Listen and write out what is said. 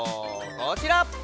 こちら！